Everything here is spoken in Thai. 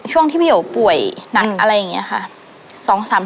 ช่วงที่พี่โอ๋ป่วยหนักอะไรอย่างนี้ค่ะ